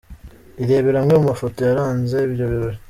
Irebere amwe mu mafoto yaranze ibyo birori:.